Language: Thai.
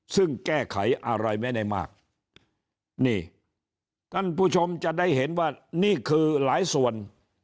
ซึ่งแก้ไขอะไรไม่ได้มากนี่ท่านผู้ชมจะได้เห็นว่านี่คือหลายส่วน